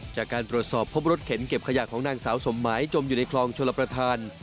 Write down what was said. จากการตรวจสอบพบรถเข็นเก็บขยะของนางสาวสมหมายจมอยู่ในคลองชลประธาน